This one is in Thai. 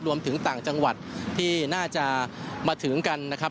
รวมถึงต่างจังหวัดที่น่าจะมาถึงกันนะครับ